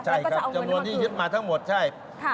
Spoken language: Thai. ใช่ครับจำนวนที่ยึดมาทั้งหมดใช่